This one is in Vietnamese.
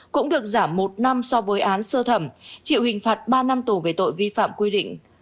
cũng được giảm một năm so với án sơ thẩm chịu hình phạt ba năm tù về tội vi phạm quy định